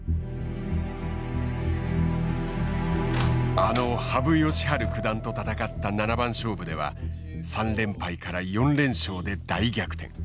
あの羽生善治九段と戦った七番勝負では３連敗から４連勝で大逆転。